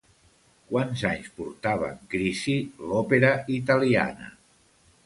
Quants anys portava en crisi l'òpera italiana?